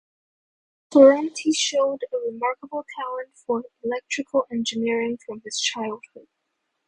Ferranti showed a remarkable talent for electrical engineering from his childhood.